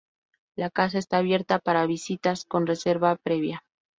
La casa está abierta para visitas con reserva previa.